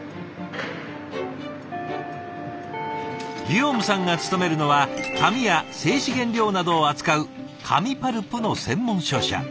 ギヨームさんが勤めるのは紙や製紙原料などを扱う紙パルプの専門商社。